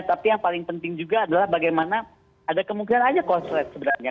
tapi yang paling penting juga adalah bagaimana ada kemungkinan aja konslet sebenarnya